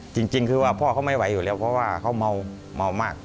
จริงคือว่าพ่อเขาไม่ไหวอยู่แล้วเพราะว่าเขาเมามาก